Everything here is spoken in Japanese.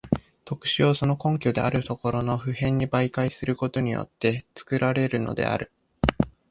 特殊をその根拠であるところの普遍に媒介することによって作られるのである。